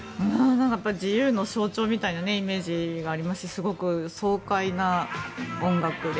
自由の象徴みたいなイメージがありますしすごく爽快な音楽で。